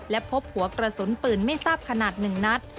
และพบหัวกระสุนปืนไม่ทราบขนาด๑นัด